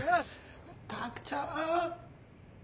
卓ちゃん